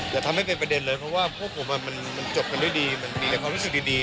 อย่าทำให้เป็นประเด็นเลยเพราะว่าพวกผมมันจบกันด้วยดีเหมือนมีแต่ความรู้สึกดี